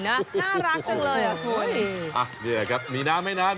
นี่แหละครับมีน้ำไหมน้ำ